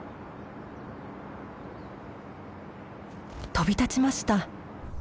飛び立ちました！